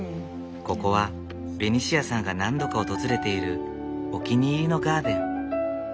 ここはベニシアさんが何度か訪れているお気に入りのガーデン。